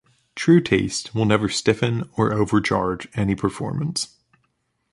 True taste will never stiffen or overcharge any performance.